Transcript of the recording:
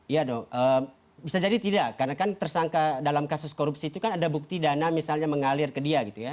iya dong bisa jadi tidak karena kan tersangka dalam kasus korupsi itu kan ada bukti dana misalnya mengalir ke dia gitu ya